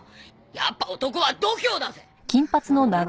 やっぱ男は度胸だぜ！